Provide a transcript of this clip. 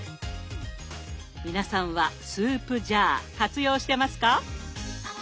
皆さんはスープジャー活用してますか？